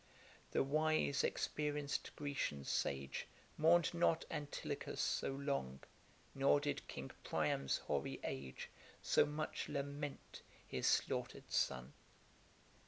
The wise experienc'd Grecian sage Mourn'd not Antilochus so long; Nor did King Priam's hoary age So much lament his slaughter'd son.